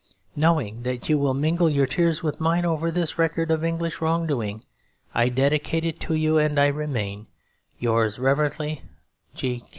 Knowing that you will mingle your tears with mine over this record of English wrong doing, I dedicate it to you, and I remain, Yours reverently, G.